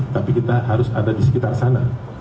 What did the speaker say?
tapi kita harus ada di sekitar sana